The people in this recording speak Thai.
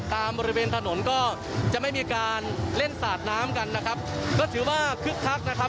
บริเวณถนนก็จะไม่มีการเล่นสาดน้ำกันนะครับก็ถือว่าคึกคักนะครับ